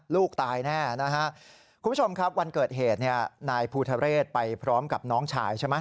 ลูกตายแน่นะฮะคุณผู้ชมครับวันเกิดเหตุเนี่ยนายภูทะเรศไปพร้อมกับน้องชายใช่ไหม